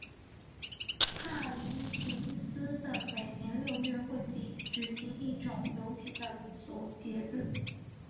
帕林廷斯的每年六月会举行一种流行的民俗节日。